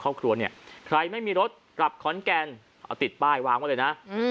ปีใหม่กับครอบครัวเนี่ยใครไม่มีรถกลับขอนแก่นเอาติดป้ายว่างมาเลยนะ